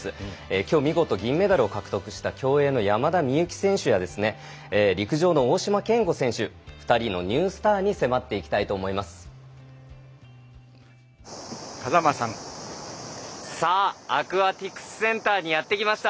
きょう見事、銀メダルを獲得した日本の競泳の山田美幸選手や陸上の大島健吾選手２人のニュースターにアクアティクスセンターにやってきました。